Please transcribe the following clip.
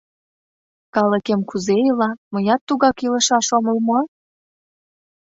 Калыкем кузе ила, мыят тугак илышаш омыл мо?»